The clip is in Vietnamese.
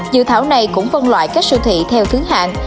dự thảo này cũng phân loại các sưu thị theo thứ hạn